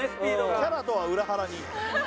キャラとは裏腹に。